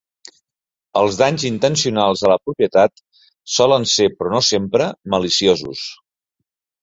Els danys intencionals a la propietat solen ser, però no sempre, maliciosos.